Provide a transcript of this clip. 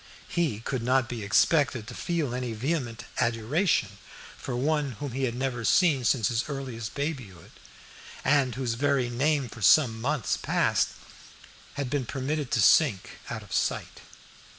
He could not be expected to feel any vehement adoration for one whom he had never seen since his earliest babyhood, and whose very name for some months past had been permitted to sink out of sight.